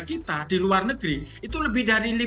kita di luar negeri itu lebih dari